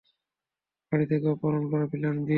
বাড়ি থেকে অপহরণ করা প্ল্যান বি।